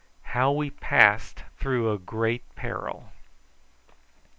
HOW WE PASSED THROUGH A GREAT PERIL.